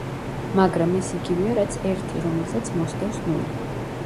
მაგრამ ეს იგივეა რაც ერთი რომელსაც მოსდევს ნული.